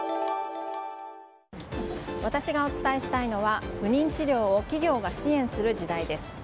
私がお伝えしたいのは不妊治療を企業が支援する時代です。